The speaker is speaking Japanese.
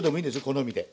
好みで。